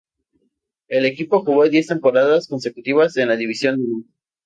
El equipo jugó diez temporadas consecutivas en la División de Honor.